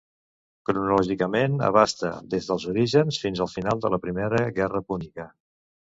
Cronològicament, abasta des dels orígens fins al final de la Primera Guerra Púnica.